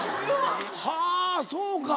はぁそうか。